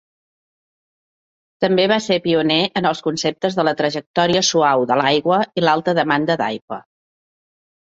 També va ser pioner en els conceptes de la trajectòria suau de l'aigua i l'alta demanda d'aigua.